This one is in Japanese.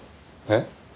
えっ？